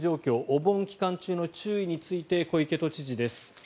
お盆期間中の注意について小池都知事です。